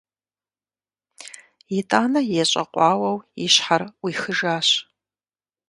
ИтӀанэ ещӀэкъуауэу и щхьэр Ӏуихыжащ.